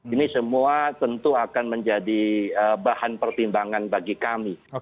ini semua tentu akan menjadi bahan pertimbangan bagi kami